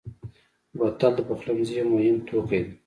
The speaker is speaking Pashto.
بوتل د پخلنځي یو مهم توکی دی.